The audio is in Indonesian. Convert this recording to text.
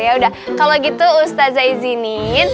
yaudah kalo gitu ustazah izinin